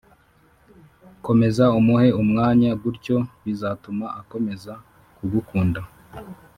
komeza umuhe umwanya gutyo bizatuma akomeza kugukunda